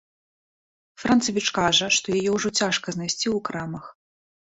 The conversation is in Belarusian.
Францавіч кажа, што яе ўжо цяжка знайсці ў крамах.